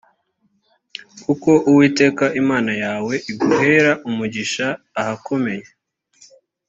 kuko uwiteka imana yawe iguhera umugisha ahakomeye